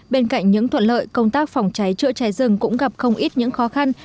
bên cạnh những thuận lợi công tác phòng cháy chữa cháy rừng cũng gặp không ít những khó khăn